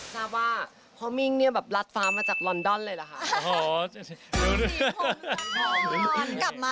ฉันว่าพ่อมิ้งนี่แบบรัดฟ้ามาจากลอนดอนเลยล่ะค่ะ